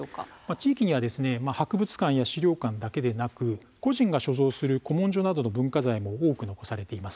地域には博物館や資料館だけでなく個人が所蔵する古文書などの文化財も残されています。